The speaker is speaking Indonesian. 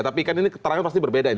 tapi kan ini keterangan pasti berbeda ini